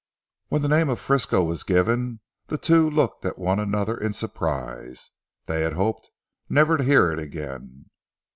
When the name of Frisco was given the two looked at one another in surprise. They had hoped never to hear it again.